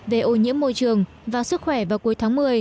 về ô nhiễm môi trường và sức khỏe vào cuối tháng một mươi